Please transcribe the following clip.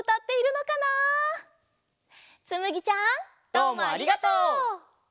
どうもありがとう。